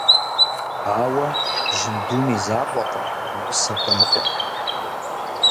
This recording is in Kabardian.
Ауэ жьындум и закъуэкъым гъусэ хуэныкъуэр.